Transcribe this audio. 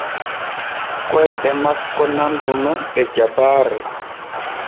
Koyɗe makko nandu nun ɗe jabaare.